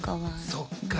そっか。